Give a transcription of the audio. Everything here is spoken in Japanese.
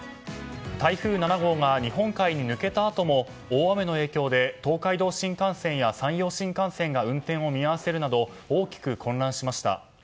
台風７号が日本海に抜けたあとも大雨の影響で東海道新幹線や山陽新幹線が運転を見合わせるなど大きく混乱しました。